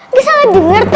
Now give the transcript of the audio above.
gak salah denger tuh